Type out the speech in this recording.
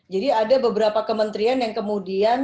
jadi ada beberapa kementrian yang kemudian